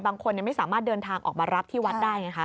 บางคนไม่สามารถเดินทางออกมารับที่วัดได้ไงคะ